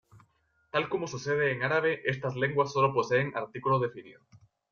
Tal como sucede en árabe, estas lenguas sólo poseen artículo definido.